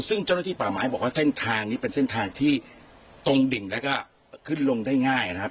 ซึ่งเจ้าหน้าที่ป่าไม้บอกว่าเส้นทางนี้เป็นเส้นทางที่ตรงดิ่งแล้วก็ขึ้นลงได้ง่ายนะครับ